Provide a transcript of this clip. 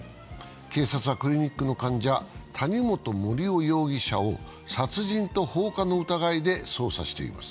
警察はクリニックの患者、谷本盛雄容疑者を殺人と放火の疑いで捜査しています。